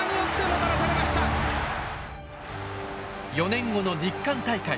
４年後の日韓大会。